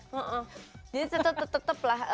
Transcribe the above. jadi tetap tetap lah